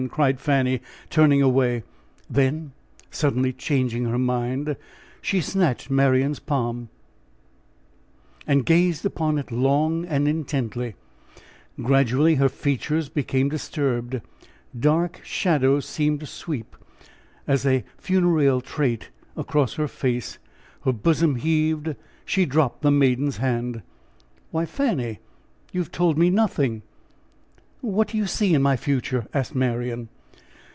cried Fanny, turning away. Then, suddenly changing her mood, she snatched Marian's palm, and gazed upon it long and intently; gradually her features became disturbed dark shadows seemed to sweep, as a funereal train, across her face her bosom heaved she dropped the maiden's hand. "Why, Fanny, you have told me nothing! What do you see in my future?" asked Marian.